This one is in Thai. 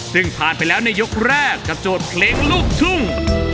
ซึ่งผ่านไปแล้วในยกแรกกับโจทย์เพลงลูกทุ่ง